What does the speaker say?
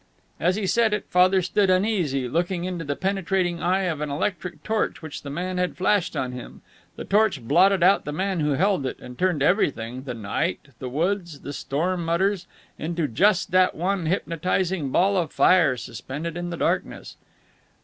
As he said it Father stood uneasy, looking into the penetrating eye of an electric torch which the man had flashed on him. The torch blotted out the man who held it, and turned everything the night, the woods, the storm mutters into just that one hypnotizing ball of fire suspended in the darkness.